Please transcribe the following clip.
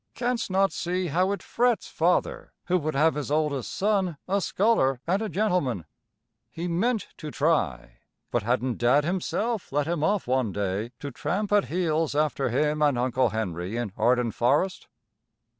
"Canst not see how it frets Father, who would have his oldest son a scholar and a gentleman?" He meant to try. But hadn't Dad himself let him off one day to tramp at heels after him and Uncle Henry in Arden Forest?